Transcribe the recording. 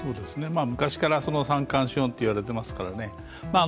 昔から三寒四温と言われていますからね。